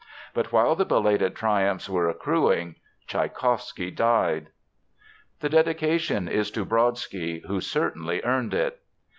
But while the belated triumphs were accruing Tschaikowsky died." The dedication is to Brodsky, who certainly earned it.